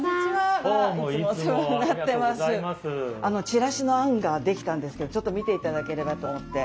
チラシの案ができたんですけどちょっと見ていただければと思って。